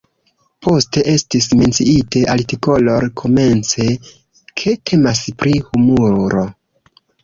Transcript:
Poste estis menciite artikol-komence, ke temas pri humuro.